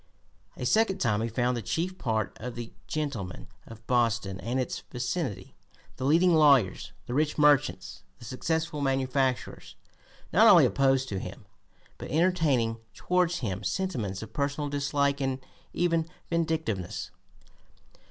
A second time he found the chief part of the gentlemen of Boston and its vicinity, the leading lawyers, the rich merchants, the successful manufacturers, not only opposed to him, but entertaining towards him sentiments of personal dislike and even vindictiveness.